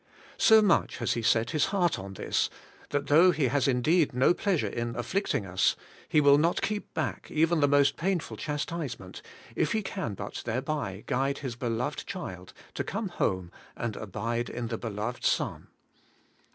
So much has He set His heart on this, that IN AFFLICTION AND TRIAL. 145 though He has indeed no pleasure in afflicting us, He will not keep back even the most painful chastise ment if He can but thereby guide His beloved child to come home and abide in the beloved Son.